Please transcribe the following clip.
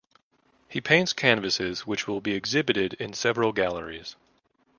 He paints canvases which will be exhibited in several galleries.